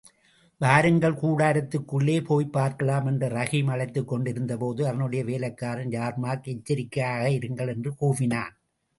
வாருங்கள் கூடாரத்திற்குள்ளே போய்ப் பார்க்கலாம்! என்று ரஹீம் அழைத்துக் கொண்டிருந்தபோது அவனுடைய வேலைக்காரன் யார்மார்க் எச்சரிக்கையாயிருங்கள் என்று கூவினான்.